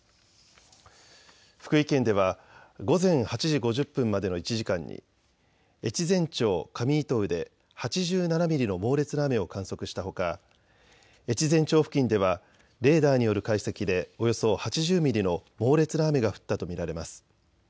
福井県では午前８時５０分までの１時間に越前町上糸生で８７ミリの猛烈な雨を観測したほか越前町付近ではレーダーによる解析でおよそ８０ミリの猛烈な雨が降ったと見られます。